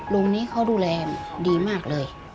โรงนี้เขาดูแลดีมากเลย